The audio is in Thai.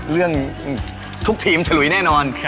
เรื่องทุกทีมจะหลุยแน่นอน